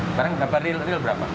sekarang dapat real berapa